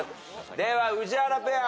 では宇治原ペア。